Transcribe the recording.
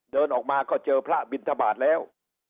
เดินออกมาก็เจอพระบินทบาทแล้ว